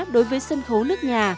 đối với sân khấu nước nhà